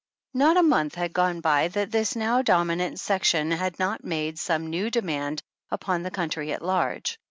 Not a month had gone by that this now dominant section had not made some new demand upon the country at large.